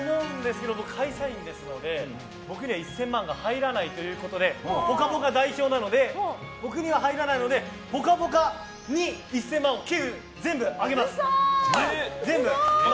僕は会社員ですので僕には１０００万が入らないということで「ぽかぽか」代表なので僕には入らないので「ぽかぽか」に１０００万円を全て寄付します。